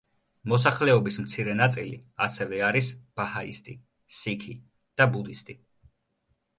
მოსახლეობის მცირე ნაწილი ასევე არის ბაჰაისტი, სიქი და ბუდისტი.